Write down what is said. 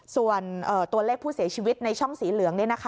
ส่วนตัวเลขผู้เสียชีวิตในช่องสีเหลือง